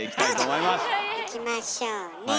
いきましょうね。